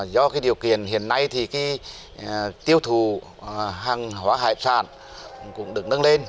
do điều kiện hiện nay thì tiêu thụ hàng hóa hải sản cũng được nâng lên